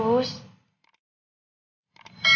tuh anak kita sampai bingung tuh